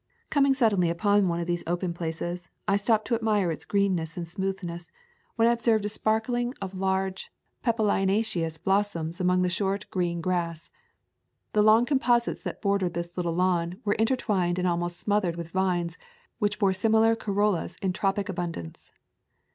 Coming suddenly upon one of these open places, I stopped to admire its greenness and smoothness, when I observed a [ 158 ] A Sojourn in Cuba sprinkling of large papilionaceous blossoms among the short green grass. The long com posites that bordered this little lawn were en twined and almost smothered with vines which bore similar corollas in tropic abundance.